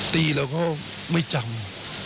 ตีเราก็ไม่จำ